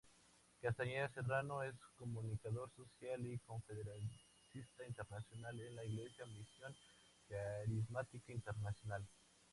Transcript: Castañeda Serrano es comunicador Social y Conferencista Internacional en la Iglesia Misión Carismática Internacional.